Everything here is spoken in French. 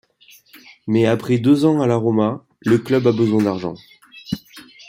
Mais après deux ans à la Roma, le club a besoin d'argent.